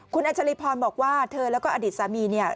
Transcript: คุณอัชริพรบอกว่าเธอแล้วก็อดีตสามีเนี่ย